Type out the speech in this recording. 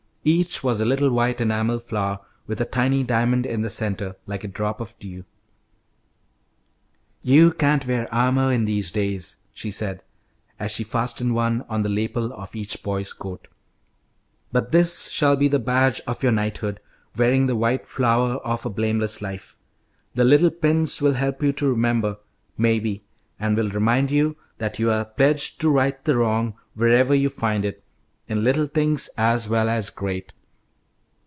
Each was a little white enamel flower with a tiny diamond in the centre, like a drop of dew. "You can't wear armour in these days," she said, as she fastened one on the lapel of each boy's coat, "but this shall be the badge of your knighthood, 'wearing the white flower of a blameless life.' The little pins will help you to remember, maybe, and will remind you that you are pledged to right the wrong wherever you find it, in little things as well as great."